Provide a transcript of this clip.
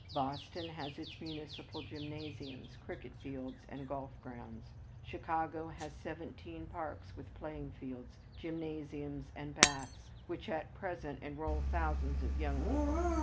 Boston has its municipal gymnasiums, cricket fields, and golf grounds. Chicago has seventeen parks with playing fields, gymnasiums and baths, which at present enroll thousands of young people.